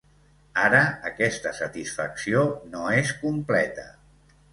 Ara, aquesta satisfacció no és completa.